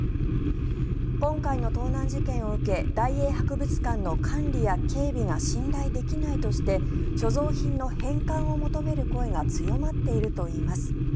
今回の盗難事件を受け大英博物館の管理や警備が信頼できないとして所蔵品の返還を求める声が強まっているといいます。